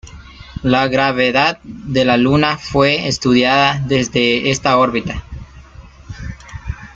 La gravedad de la Luna fue estudiada desde esta órbita.